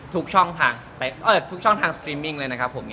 ทุกช่องทางสตรีมมิ่งเลยนะครับผม